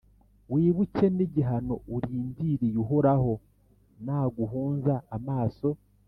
wibuke n’igihano urindiriye, Uhoraho naguhunza amaso.